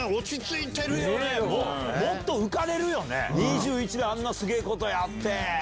２１であんなすげぇことやって。